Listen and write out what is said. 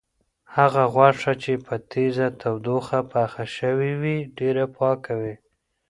هغه غوښه چې په تیزه تودوخه پخه شوې وي، ډېره پاکه وي.